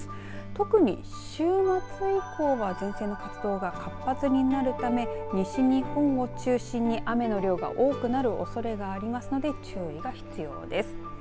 特に週末以降は前線の活動が活発になるため西日本を中心に雨の量が多くなるおそれがありますので注意が必要です。